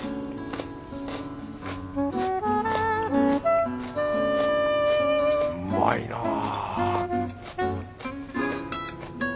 うまいな